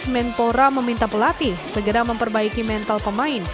menpora meminta pelatih segera memperbaiki mental pemain